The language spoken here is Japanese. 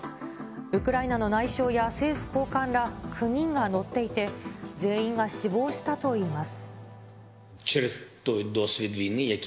ウクライナの内相や政府高官ら９人が乗っていて、全員が死亡したといいます。